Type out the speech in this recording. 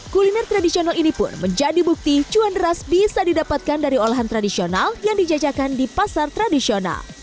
kuliner tradisional ini pun menjadi bukti cuan deras bisa didapatkan dari olahan tradisional yang dijajakan di pasar tradisional